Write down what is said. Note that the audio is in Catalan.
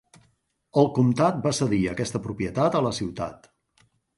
El comtat va cedir aquesta propietat a la ciutat.